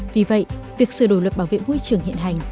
vì vậy việc sửa đổi luật bảo vệ môi trường hiện hành